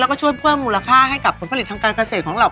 แล้วก็ช่วยเพิ่มมูลค่าให้กับผลผลิตทางการเกษตรของเรา